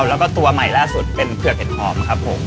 แล้วก็ตัวใหม่ล่าสุดเป็นเผือกเห็ดหอมครับผม